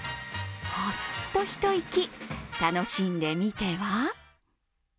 ホッと一息、楽しんでみては？